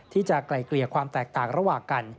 ไกลเกลี่ยความแตกต่างระหว่างกัน